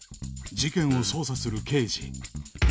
事件を捜査する刑事